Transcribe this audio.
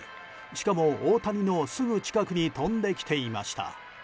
しかも、大谷のすぐ近くに飛んできていました。